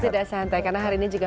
tidak santai karena hari ini juga